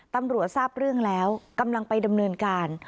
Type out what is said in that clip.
ตำรวจทราบเรื่องแล้วกำลังไปดำเนินการ